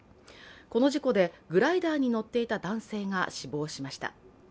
この事故でグライダーに乗っていた男性が死亡しました。